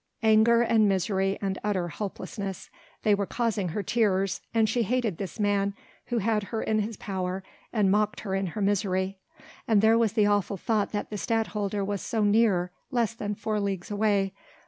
Anger and misery and utter hopelessness! they were causing her tears, and she hated this man who had her in his power and mocked her in her misery: and there was the awful thought that the Stadtholder was so near less than four leagues away!